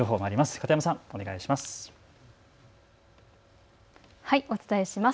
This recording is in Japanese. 片山さん、お願いします。